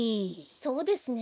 そうですね。